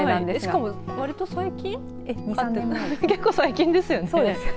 しかもわりと最近結構最近ですよね。